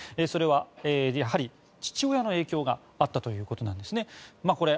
それはやはり、父親の影響があったということなんですね。